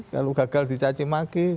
kalau gagal dicacimaki